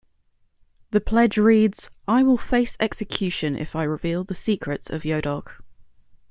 The pledge reads: I will face execution if I reveal the secrets of Yodok.